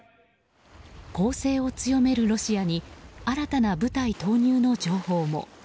攻勢を強めるロシアに新たな部隊投入の情報も。